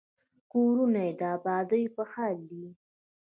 کورونه یې د ابادېدو په حال کې دي.